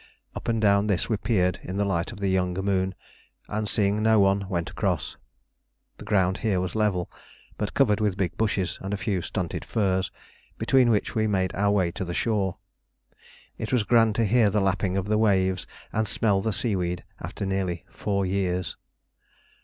Up and down this we peered in the light of the young moon, and seeing no one went across. The ground here was level, but covered with big bushes and a few stunted firs, between which we made our way to the shore. It was grand to hear the lapping of the waves and smell the seaweed after nearly four years.